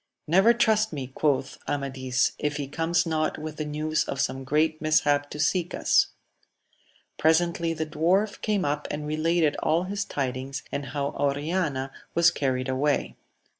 Never trust me, quoth Amadis, if he comes not with the news of some great mishap to seek us. Presently the dwarf came up and related all his tidings, and how Oriana was carried away.